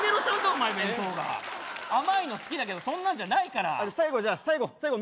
お前弁当が甘いの好きだけどそんなんじゃないから最後じゃあ最後